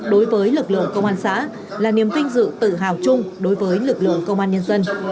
đối với lực lượng công an xã là niềm vinh dự tự hào chung đối với lực lượng công an nhân dân